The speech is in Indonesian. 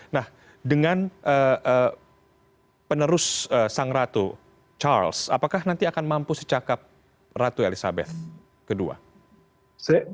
nah dengan penerus sang ratu charles apakah nanti akan mampu secakap ratu elizabeth ii